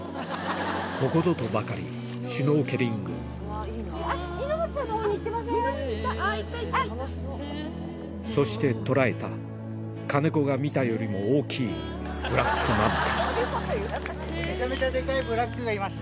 ここぞとばかりにシュノーケリングそして捉えた金子が見たよりも大きいブラックマンタ